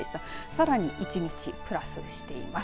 さらに１日プラスしています。